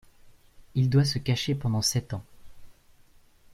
Il doit se cacher pendant sept ans.